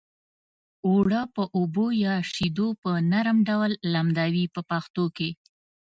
اوړه په اوبو یا شیدو په نرم ډول لمدوي په پښتو کې.